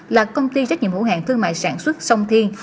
là công ty trách nhiệm hữu hạng thương mại sản xuất sông thiên